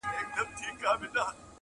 !!اوښکو را اخیستي جنازې وي د بګړیو!!